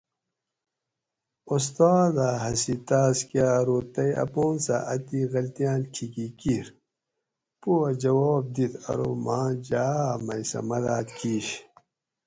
استاز اۤ ہسی تاۤس کہۤ ارو تئ اپان سہۤ اتی غلطیاۤن کھیکی کِیر؟ پو اۤ جواب دِیت ارو ماۤں جاۤ اۤ مئ سہۤ مداد کِیش